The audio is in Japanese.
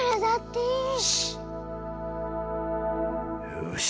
よし。